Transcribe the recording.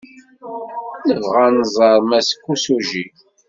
Nebɣa ad nẓer Mass Kosugi.